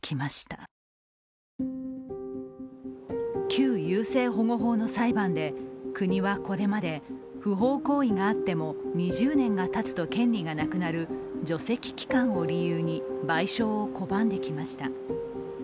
旧優生保護法の裁判で国はこれまで不法行為があっても２０年がたつと権利がなくなる除斥期間を理由に賠償を拒んできました。